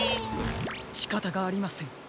しかたがありません。